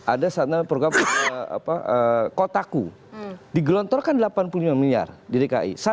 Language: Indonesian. ada salah satu program apa